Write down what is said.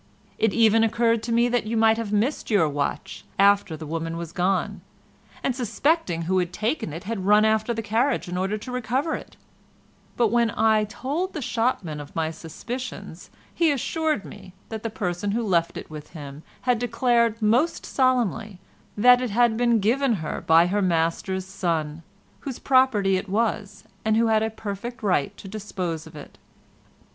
It even occurred to me that you might have missed your watch after the woman was gone, and, suspecting who had taken it, had run after the carriage in order to recover it; but when I told the shopman of my suspicions he assured me that the person who left it with him had declared most solemnly that it had been given her by her master's son, whose property it was, and who had a perfect right to dispose of it.